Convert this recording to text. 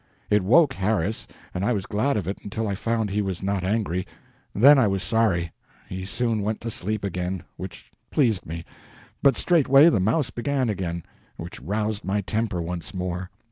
It woke Harris, and I was glad of it until I found he was not angry; then I was sorry. He soon went to sleep again, which pleased me; but straightway the mouse began again, which roused my temper once more.